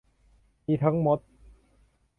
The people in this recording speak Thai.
มีทั้งมด